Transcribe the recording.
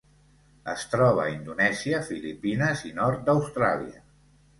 Es troba a Indonèsia, Filipines i nord d'Austràlia.